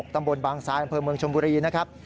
ตำบลบางทรายอำเภอเมืองชมบุรีนะครับ